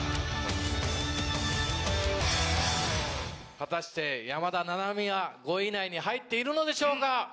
果たして山田七海は５位以内に入っているのでしょうか？